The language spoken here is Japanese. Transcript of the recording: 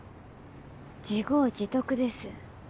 自業自得です。